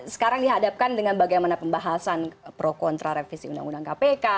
sekarang dihadapkan dengan bagaimana pembahasan pro kontra revisi undang undang kpk